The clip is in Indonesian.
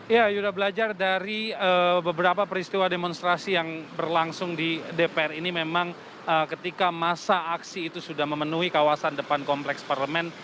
ya yuda belajar dari beberapa peristiwa demonstrasi yang berlangsung di dpr ini memang ketika masa aksi itu sudah memenuhi kawasan depan kompleks parlemen